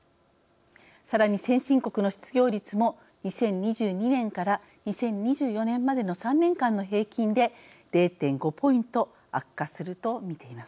さらに先進国の失業率も２０２２年から２０２４年までの３年間の平均で０．５ポイント悪化すると見ています。